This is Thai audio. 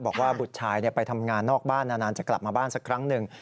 บุตรชายไปทำงานนอกบ้านนานจะกลับมาบ้านสักครั้งหนึ่ง